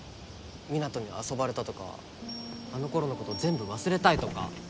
「湊人に遊ばれた」とか「あの頃のこと全部忘れたい」とか。